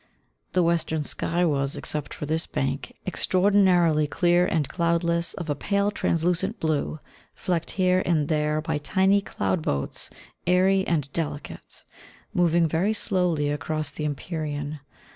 The western sky was, except for this bank, extraordinarily clear and cloudless, of a pale translucent blue, flecked here and there by tiny cloud boats, airy and delicate, moving very slowly across the empyrean.